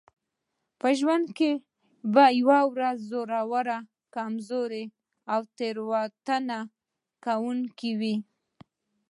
په ژوند کې به یوه ورځ زوړ کمزوری او تېروتنه کوونکی وئ.